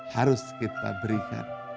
harus kita berikan